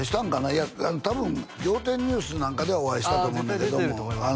いや多分「仰天ニュース」なんかではお会いしたと思うねんけども絶対出てると思いますね